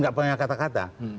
gak banyak kata kata